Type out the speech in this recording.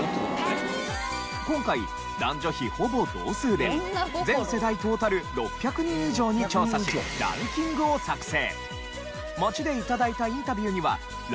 今回男女比ほぼ同数で全世代トータル６００人以上に調査しランキングを作成。